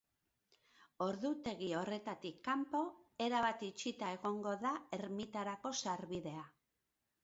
Ordutegi horretatik kanpo, erabat itxita egongo da ermitarako sarbidea.